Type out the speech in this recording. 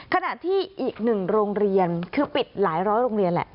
ขณะที่อีกหนึ่งโรงเรียนคือปิดหลายร้อยโรงเรียนแหละ